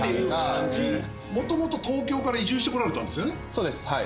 そうですはい。